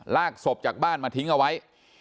ลากศพจากบ้านมาทิ้งเอาไว้